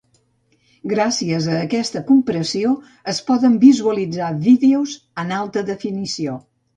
Gràcies a aquesta compressió, es poden visualitzar vídeos en alta definició.